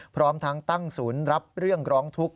พร้อมทั้งตั้งศูนย์รับเรื่องร้องทุกข์